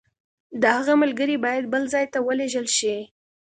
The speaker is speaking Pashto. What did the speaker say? د هغه ملګري باید بل ځای ته ولېږل شي.